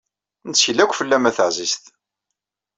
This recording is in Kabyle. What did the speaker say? Nettkel akk fell-am a taɛzizt